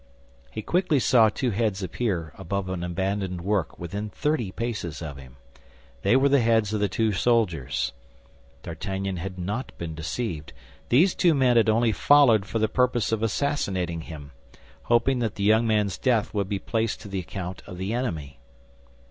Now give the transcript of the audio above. He quickly saw two heads appear above an abandoned work within thirty paces of him; they were the heads of the two soldiers. D'Artagnan had not been deceived; these two men had only followed for the purpose of assassinating him, hoping that the young man's death would be placed to the account of the enemy.